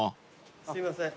すいません